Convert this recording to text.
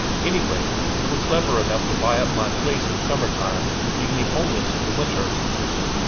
Anyway, you were clever enough to buy up my place in summer time and leave me homeless in the winter."